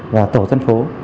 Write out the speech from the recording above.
và tổ dân phố